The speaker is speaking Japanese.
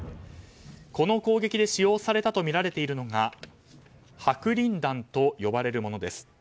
この攻撃で使用されたとみられているのが白リン弾と呼ばれるものです。